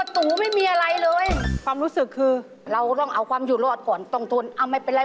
ตัวมันมองอะไรเหอนึกในใจ